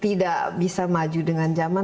tidak bisa maju dengan zaman